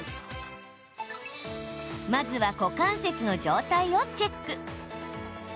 まずは、股関節の状態をチェック。